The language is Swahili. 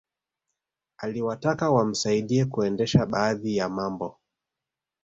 Aliwataka wamsaidie kuendesha baadhi ya mambo